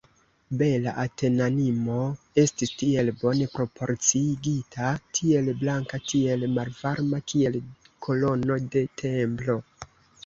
Bela Atenanino estis tiel bone proporciigita, tiel blanka, tiel malvarma, kiel kolono de templo.